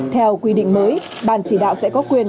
theo quy định mới ban chỉ đạo sẽ có quyền